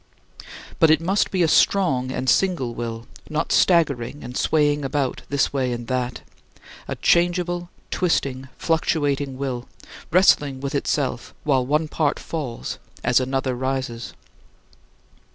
But it must be a strong and single will, not staggering and swaying about this way and that a changeable, twisting, fluctuating will, wrestling with itself while one part falls as another rises.